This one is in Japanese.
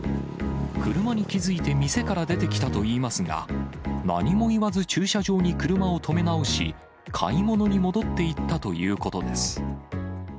車に気付いて店から出てきたといいますが、何も言わず駐車場に車を止め直し、買い物に戻っていったということです。